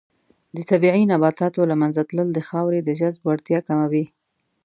د طبیعي نباتاتو له منځه تلل د خاورې د جذب وړتیا کموي.